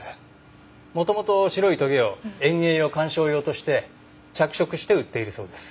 元々白いトゲを園芸用観賞用として着色して売っているそうです。